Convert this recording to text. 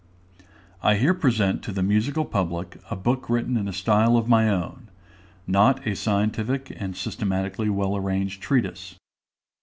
I here present to the musical public a book written in a style of my own, not a scientific and systematically well arranged treatise.